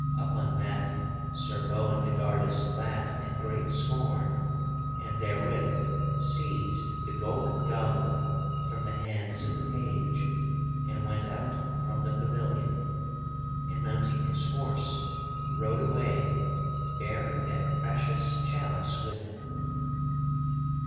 Upon that Sir Boindegardus laughed in great scorn, and therewith seized the golden goblet from the hands of the page and went out from the pavilion, and mounting his horse rode away bearing that precious chalice with him.